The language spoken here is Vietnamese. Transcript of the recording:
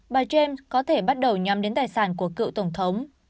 bà james có thể bắt đầu nhắm đến tài sản của cựu tổng thống